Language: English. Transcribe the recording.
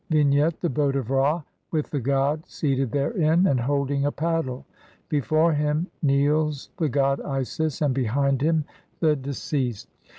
] Vignette : The boat of Ra with the god seated therein and holding a paddle ; before him kneels the goddess Isis (?) and behind him the de ceased.